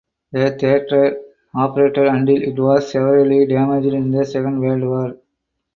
The theatre operated until it was severely damaged in the Second World War.